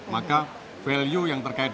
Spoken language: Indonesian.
maka value yang terdapat adalah